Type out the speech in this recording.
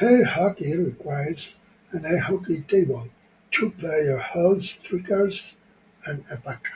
Air hockey requires an air-hockey table, two player-held strikers, and a puck.